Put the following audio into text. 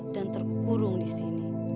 dan terkurung disini